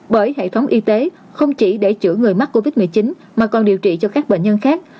bởi hệ thống y tế không chỉ để chữa người mắc covid một mươi chín mà còn điều trị cho các bệnh nhân khác